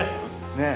ねえ。